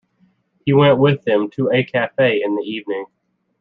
He went with them to a cafe in the evening.